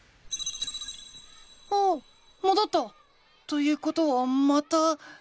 おおっもどった！ということはまた。